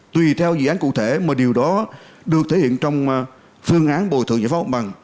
tùy theo dự án cụ thể mà điều đó được thể hiện trong phương án bồi thường giải phóng bằng